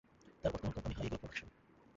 তার বর্তমান company High Eagle productions.